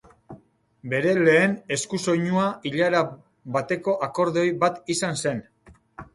Bere lehen eskusoinua ilara bateko akordeoi bat izan zen.